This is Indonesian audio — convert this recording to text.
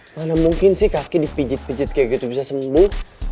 mana mungkin sih kaki dipijit pijit kayak gitu bisa sembuh